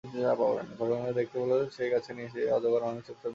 খরগোশছানা দেখতে পেল, সেই গাছের নিচে অজগর মামি চুপচাপ দাঁড়িয়ে আছে।